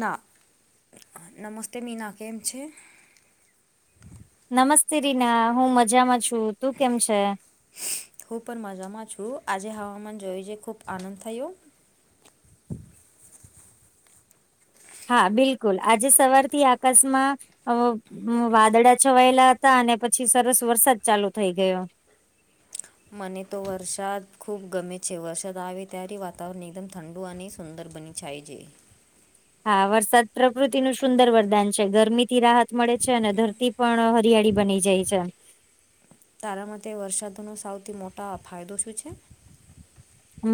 ના નમસ્તે મીના કેમ છે? નમસ્તે રીના હું મજામાં છું તું કેમ છે? હું પણ મજામાં છું આજે હવામાન [unintelligible] ખુબ આનંદ થયુ. હા બિલકુલ આજે સવાર થી આકાશમાં [unintelligible] વાદળા છવાયેલા હતા અને પછી સરસ વરસાદ ચાલુ થઈ ગયો. મને તો વરસાદ ખૂબ ગમે છે વરસાદ આવે ત્યારે વાતાવરણ એકદમ ઠંડુ અને સુંદર [unintelligible] [unintelligible] હા વરસાદ પ્રકૃતિનું સુંદર વરદાન છે ગરમી થી રાહત મળે છે અને ધરતી પણ હરિયાળી બની જાય છે. તારા માટે વરસાદ નો [unintelligible] મોટા ફાયદો શું છે?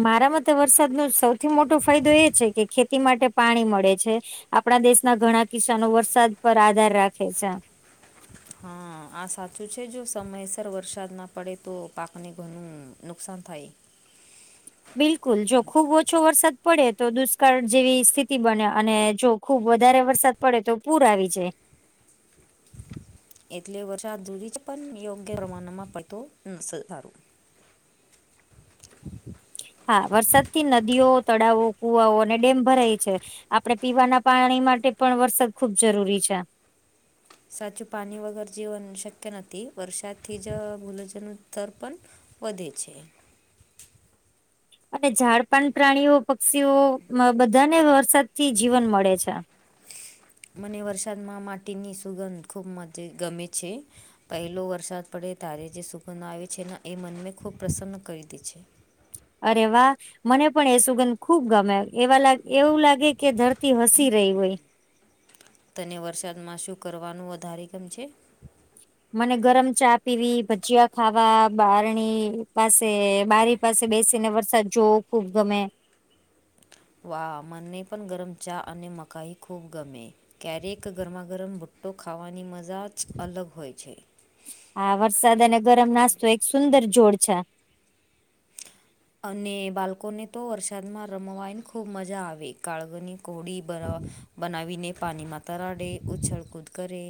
મારા [unintelligible] વરસાદનો સૌથી મોટો ફાયદો એ છે કે ખેતી માટે પાણી મળે છે. આપણા દેશના ઘણા કિસાનો વરસાદ પર આધાર રાખે છે. હા આ સાચું છે જો સમયસર વરસાદ ના પડે તો પાકને ઘણું નુકસાન થાય. બિલકુલ જો ખુબ ઓછો વરસાદ પડે તો દુષ્કાળ જેવી સ્થિતિ બને અને જો ખુબ વધારે વરસાદ પડે તો પૂર આવી જાય. એટલે વરસાદ [unintelligible] [inaudible] હા વરસાદ થી નદીઓ તળાવો કુવાઓ અને ડેમ ભરાય છે આપડે પીવાના પાણી માટે પણ વરસાદ ખુબ જરૂરી છે. સાચું પાની વગર જીવન શક્ય નથી વરસાદથી જ [unintelligible] સ્તર પન વધે છે. અને [unintelligible] પ્રાણીઓ પક્ષીઓ મ બધાને વરસાદ થી જીવન મળે છે. મને વરસાદમાં માટીની સુગંધ ખૂબ મજ ગમે છે. પહેલો વરસાદ પડે [unintelligible] જે સુંગન આવે છે ન એ મનને ખૂબ પ્રસન્ન કરી દે છે. અરે વા. મને પણ એ સુગંધ ખુબ ગમે એવા લાગે એવું લાગે કે ધરતી હસી રહી હોય. તને વરસાદમાં શું કરવાનું વધારે ગમ છે? મને ગરમ ચા પીવી ભજીયા ખાવા બારણી પાસે બારી પાસે બેસીને વરસાદ જોવો ખુબ ગમે. વાહ મને પન ગરમ ચા અને મકાઈ ખૂબ ગમે. ક્યારેક ગરમા ગરમ ભુટ્ટો ખાવાની મજા જ અલગ હોય છે. હા વરસાદ અને ગરમ નાસ્તો એક સુંદર જોડ છે. અને બાલકોને તો વરસાદમાં રમવાએન ખુબ મજા આવે [unintelligible] બનાવીને પાનીમાં તરાડે ઉછળ કૂદ કરે.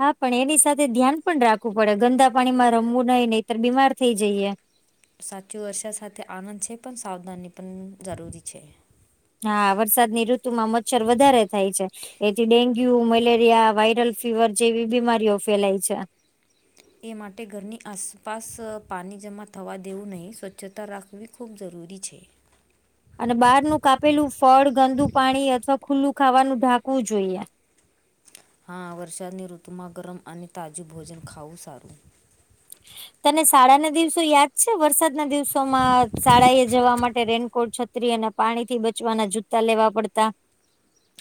હા પણ એની સાથે ધ્યાન પણ રાખવું પડે ગંદા પાણીમાં રમવું નહી નહીતર બીમાર થેઇ જઈએ. સાચું વર્ષા સાથે આનંદ છે પણ સાવધાની પણ જરૂરી છે હા વરસાદની ઋતુમાં મચ્છર વધારે થાય છે એથી ડેન્ગ્યુ મલેરિયા વાયરલ ફીવર જેવી બીમારીઓ ફેલાય છે. એ માટે ઘરની આસપાસ પાણી જમા થવા દેવું નહીં સ્વચ્છતા રાખ વી ખૂબ જરૂરી છે અને બહારનુ કાપેલું ફળ ગંદુ પાણી અથવા ખુલ્લું ખાવાનું ઢાંકવું જોઈએ. હા વરસાદની ઋતુમાં ગરમ અને તાજું ભોજન ખાવું સારું. તને શાળાના દિવસો યાદ છે વરસાદના દિવસોમાં શાળા એ જવા માટે રેનકોટ છતા ત્રી અને પાણીથી બચવાના જૂતા લેવા પડતા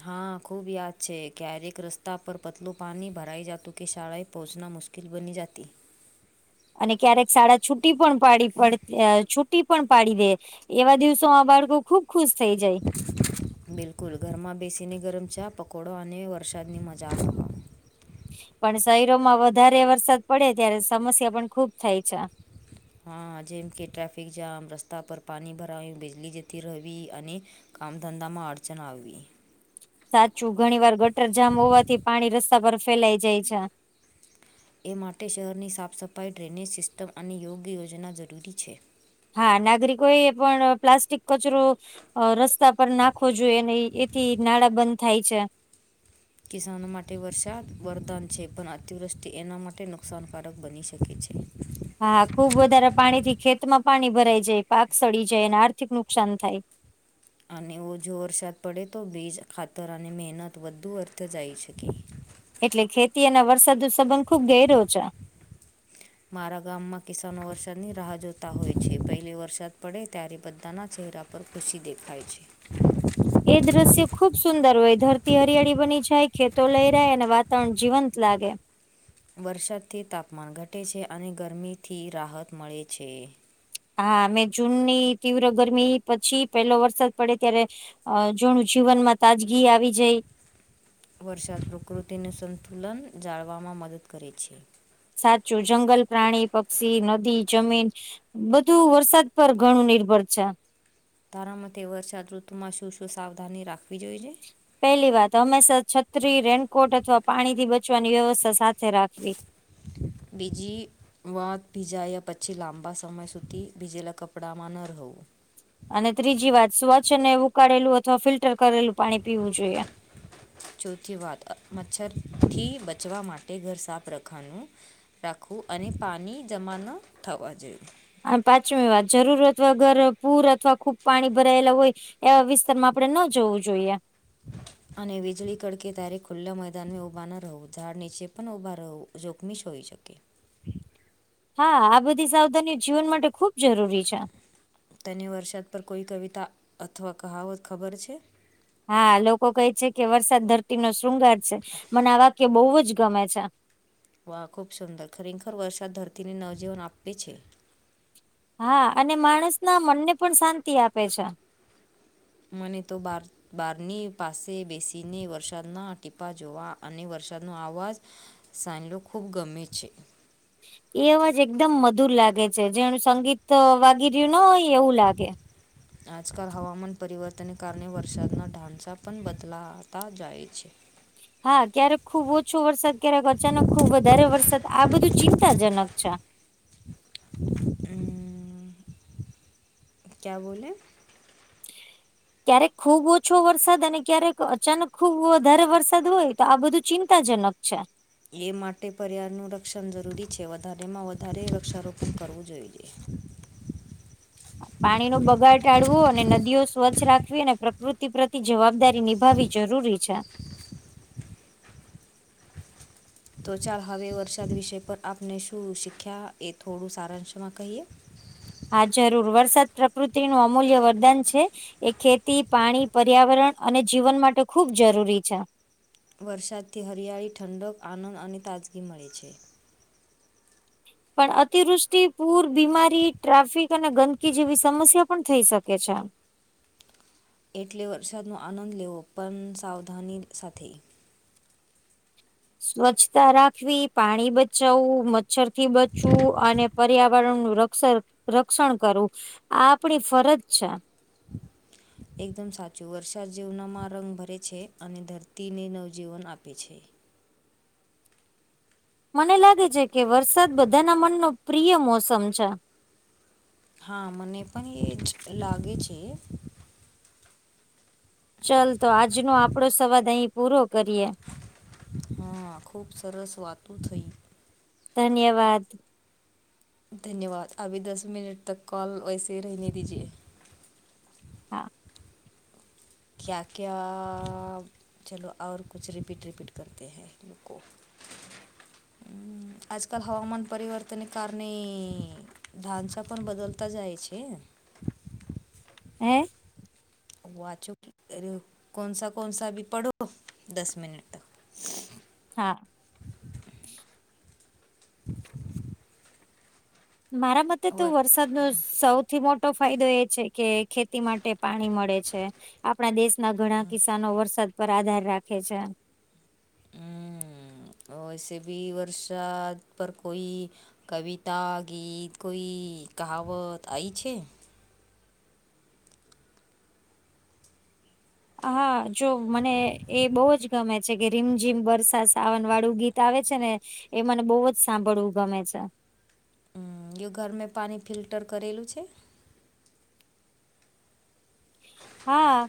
હા ખુબ યાદ છે ક્યારેક રસ્તા પર પતલું પાણી ભરાઈ જતું કે શાળાએ પહોંચના મુશ્કેલ કિલ બની જાતિ અને ક્યારેક સાડા છુટી પણ પાડી પડતી છું ટી પણ પાડી દે એવા દિવસોમાં બાળકો ખુબ ખુશ થઈ જાય બિલકુલ ઘરમાં બેસીને ગરમ ચા પકોડો અને વરસાદની મજા આવે પણ શહેરોમાં વધારે વરસાદ પડે ત્યારે સમસ્યા પણ ખુબ થાય છે. હા જેમ કે ટ્રાફિક જામ રસ્તા પર પાણી ભરાયું બિજલી જતી રેવી અને કામ ધંધામાં અડચણ આવવી સાચું ઘણી વાર ગટર જામ હોવાથી પાણી રસ્તા પર ફેલાય જાય છે એ માટે શહેરની સાફ સફાઈ ડ્રેનેજ સિસ્ટમ અને યોગ્ય યોજના જરૂરી છે હા નાગરિકો એ પણ પ્લાસ્ટિક કચરો અ રસ્તા પર નાખો જોઈએ નઈ એથી નાળા બંધ થાય છે કિસાનો માટે વરસાદ વરદાન છે પણ અતિવૃષ્ટિ એના માટે નુકસાનકારક બની શકે છે હા હા ખુબ વધારે પાણીથી ખેતમાં પાણી ભરાઈ જાય પાક સડી જાય અને આર્થિક નુકસાન થાય અને ઓછો વરસાદ પડે તો બીજ ખાતર અને મહેનત વધુ અર્થ જાય શકે એટલે ખેતી અને વરસાદુ સંબંધ ખુબ ઘેરો છે. મારા ગામમાં કિસાનો વરસાદની રાહ જોતા હોય છે પહેલે વરસાદ પડે ત્યારે બધાના ચહેરા પર ખુશી દેખાય છે. એ દ્રશ્ય ખુબ સુંદર હોય ધરતી હરિયાળી બની જાય ખેતો લઈરાય અને વાતાવરણ જીવંત લાગે વરસાદથી તાપમાન ઘટે છે અને ગરમીથી રાહત મળે છે. હા અમે જૂનની તીવ્ર ગરમી પછી પેલો વરસાદ પડે ત્યારે અ જોણું જીવનમાં તાજગી આવી જાય વરસાદ પ્રકૃતિનું સંતુલન જાળવવામાં મદદ કરે સાચું જંગલ પ્રાણી પક્ષી નદી જમીન બધું વરસાદ પર ઘણું નિર્ભર છે. તાર મતે વરષાદ ઋતુમાં શું શું સાવધાની રાખવી જોઈએ? પેલી વાત હંમેશા છત્રી રેનકોટ અથવા પાણી થી બચવાની વ્યવસ્થા સાથે રાખવી બીજી વાત ભીજાયા પછી લાંબા સમય સુધી ભીજેલા કપડાંમાં ન રહવું અને ત્રીજી વાત સ્વચ્છ ને ઉકાળેલું અથવા ફિલ્ટર કરેલું પાણી પીવું જોઈએ ચોથી વાત મચ્છર થી બચવા માટે ઘર સાફ રખવાનું રાખવું અને પાણી જમા ન થવા જોઈએ અને પાંચમી વાત જરૂરત વગર પૂર અથવા ખુબ પાણી ભરાયેલા હોય એવા વિસ્તારમાં આપણેે ન જવું જોઈએ અને વીજળી કડકે તારે ખુલ્લા મેદાનમાં ઊભા ન રહેવું ઝાડ નીચે પણ ઊભા રહેવું જોખમીશ હોઈ શકે હા આ બધી સાવધાનીઓ જીવન માટે ખુબ જરૂરી છે તને વરસાદ પર કોઈ કવિતા અથવા કહાવત ખબર છે. હા આ લોકો કહે છે કે વરસાદ ધરતીનો શ્રૃંગાર છે મને આ વાક્ય બોવ જ ગમે છે. વાહ ખૂબ સુંદર ખરેખર વરસાદ ધરતીને નવજીવન આપે છે. હા અને માણસના મનને પણ શાંતિ આપે છે. મને તો બાર બારની પાસે બેસીને વરસાદના ટીપા જોવા અને વરસાદનો અવાજ સાન્લો ખૂબ ગમે છે. એ અવાજ એકદમ મધુર લાગે છે જેનું સંગીત વાગી રહ્યું ન હોય એવું લાગે. આજકાલ હવામાન પરિવર્તનને કારણે વરસાદના ઢાંચસા પણ બદલાતા જાય છે. હા ક્યારેક ખુબ ઓછો વરસાદ, ક્યારેક અચાનક ખુબ વધારે વરસાદ આ બધું ચિંતાજનક છે. હમમ. ક્યા બોલે? ક્યારેક ખુબ ઓછો વરસાદ અને ક્યારેક અચાનક ખુબ વધારે વરસાદ હોય તો આ બધું ચીં ચિંતાજનક છે. એ માટે પર્યાવરણ નું રક્ષણ જરૂરી છે વધારેમાં વધારે વૃક્ષારોપણ કરવું જોઈએ. પાણીનો બગાડ ટાળવો અને નદીઓ સ્વચ્છ રાખવી અને પ્રકૃતિ પ્રતયે જવાબદારી નિભાવી. જરૂરી છે. તો ચાલ હવે વરસાદ વિષય પર આપને શું શીખ્યા એ થોડું સારાંશમાં કહીએ. હા જરૂર વરસાદ પ્રકૃતિનું અમૂલ્ય વરદાન છે. એ ખેતી, પાણી, પર્યાવરણ અને જીવન માટે ખૂબ જરૂરી છે. વરસાદથી હરિયાળી, ઠંડક, આનંદ અને તાજગી મળે છે. પણ અતિવૃષ્ટિ, પૂર, બીમારી, ટ્રાફિક અને ગંદકી જેવી સમસ્યા પણ થઈ શકે છે. એટલે વરસાદનો આનંદ લેવો પણ સાવધાની સાથે. સ્વરછતા રાખવી, પાણી બચાવવું, મચ્છ થી બચવું અને પર્યાવરણનું રક્ષણ રક્ષણ કરવું આ આપણી ફરજ છે. એકદમ સાચું વર્ષા જીવનામાં રંગ ભરે છે અને ધરતીને નવજીવન આપે છે. મને લાગે છે વરસાદ બધાના મનનો પ્રિય મોસમ છે. હા મને પણ એ જ લાગે છે. ચાલ તો આજનો આપડો સવાદ અહી પૂરો કરીએ. હા ખુબ સરસ વાતો થઈ. ધન્યવાદ. ધન્યવાદ. અભી દસ મિનટ તક કોલ વૈસે હી રેહને દીજએ. હા. ક્યા ક્યા ચલો ઓર કુછ રિપીટ રિપીટ કરતે હૈ રૂકો. [inaudible] હમમ આજકાલ હવામાન પરિવર્તન કારણે ઢાંચા પણ બદલ તા જાય છે. હે વાચો અરે કોનસા કોનસા અભી પઢો દસ મિનટ હા. [inaudible] મારા મતે તો વર વરસાદ સૌથી મોટો ફાયદો તો એ છે કે ખેતી માટે પાણી મળે છે. આપણા દેશ ના ઘણા કિસાનો વરસાદ પર આધાર રાખે છે. હમ વૈસે ભી વર્ષાદ પર કોઈ, કવિતા ગીત કોઈ કહાવત આઈ છે? હા જો મને એ બહુ જ ગમે છે કે રીમઝીમ બરસા સાવન વાળું ગીત આવે છે ને, એ મને બહુ જ સાંભળવું ગમે છે. એ ઘરમે પણી ફિલ્ટર કરેલું છે, હા,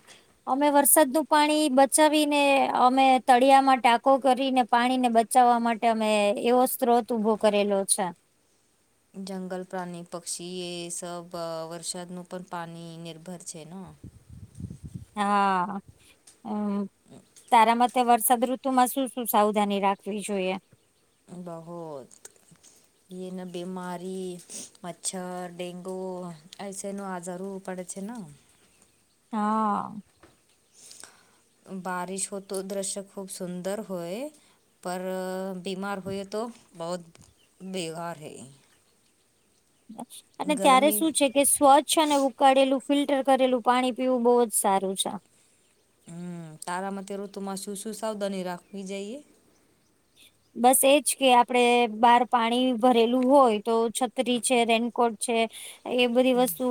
અમે વરસાદનું પાણી બચાવીને અમે તળિયામાં ટાકો કરીને, પાણીને બચાવવા માટે અમે એવો સ્ત્રોત ઉભો કરેલો છે. જંગલ પ્રાણી પક્ષી એ સબ વરસાદનું પણ પાણી નિર્ભર છે ન, હા હમ તારા મતે વરસાદ ઋતુ, ટૂંક માં શું શું સાવધાની રાખવી જોઈએ? બહોત, જે નને બીમારી મચ્છર ડેન્ગુ એઐસે ન આઝારું, પડે છે ન, હા, બારિશ હો તો દ્રશ્ય ખૂબ સુંદર હોય. પર બીમાર હોય તો બહત બેકાર હ [unintelligible] એ અને ત્યારે ગરમી શું છે. કે સ્વચ્છ અને ઉકાળેલું ફિલ્ટર કરેલું પાણી પીવું બહુ જ સારું છે. હમ તારા મતે ઋતુમાં શું શું સાવધાની રાખવી જઈએ? બસ એજ કે આપડે બહાર પાણી ભરેલું હોય તો, છત્રી છે રેનકોટ છે એ બધી વસ્તુ,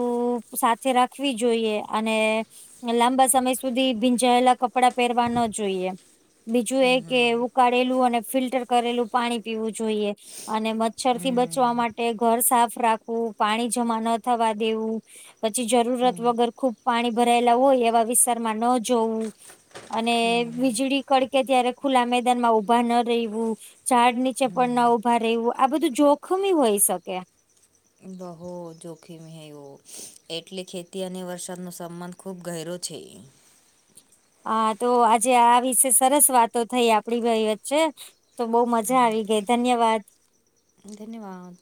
સાથે રાખવી જોઈએ અને, લાંબા સમય સુધી ભીંજાયેલા કપડાં પહેરવા ના જોઈએ, બીજું એકે ઉકાળેલું અને ફિલ્ટર કરેલું પાણી પીવું જોઈએ, અને મચ્છર થી બચવા માટે ઘર સાફ રાખવું પાણી જમા ન થવા દેવું, પછી જરૂરત વગર ખુબ પાણી ભરાયેલા હોય એવા વિસ્તારમાં ન જોવું, અને વીજળી કડકે ત્યારે ખુલ્લા મેદાનમાં ઉભા, ઉભા ના રેવું ઝાડ નીચે પણ ના ઉભા રહેવું આ બધું જોખમી હોય શકે બહુ જોખીમ હે વો એટલે ખેતી અને વરસાદનો સબંધ, ખૂબ ગહેરો છે. હા તો આજે આ વિશે સરસ વાતો થઈ આપડી બેઈ વચ્ચે, તો બહુ મજા આવી ગઈ ધન્યવાદ. ધન્યવાદ.